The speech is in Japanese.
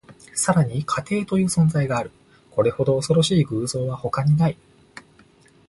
さらに、家庭という存在がある。これほど恐ろしい偶像は他にない。